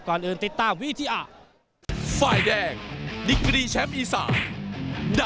ก่อนอื่นติดตามวิทยา